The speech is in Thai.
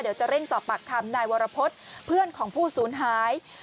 เดี๋ยวจะเร่งสอบปากคำนายวรพฤษเพื่อนของผู้สูญหาย